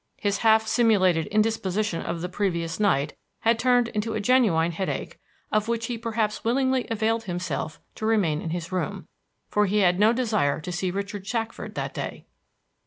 His half simulated indisposition of the previous night had turned into a genuine headache, of which he perhaps willingly availed himself to remain in his room, for he had no desire to see Richard Shackford that day.